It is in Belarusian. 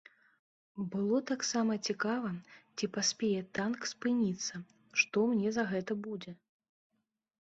Было таксама цікава, ці паспее танк спыніцца, што мне за гэта будзе?